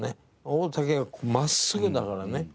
大竹がこう真っすぐだからね。